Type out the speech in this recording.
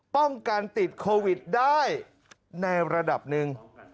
ป้องกันติดโควิดได้ในระดับหนึ่ง